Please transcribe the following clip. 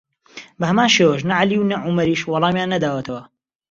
بەهەمان شێوەش نە عەلی و نە عومەریش وەڵامیان نەداوەتەوە